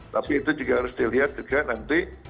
tapi itu juga harus dilihat juga nanti